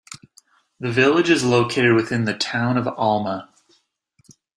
The village is located within the Town of Alma.